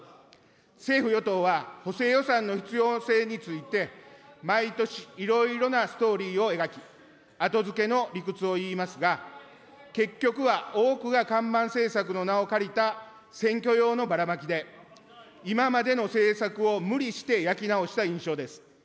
政府・与党は補正予算の必要性について、毎年いろいろなストーリーを描き、後付けの理屈を言いますが、結局は多くが看板政策の名を借りた選挙用のバラマキで、今までの政策を無理して焼き直した印象です。